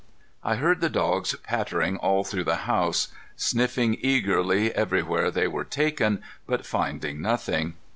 I heard the dogs pattering all through the house, sniffing eagerly everywhere they were taken, but finding nothing.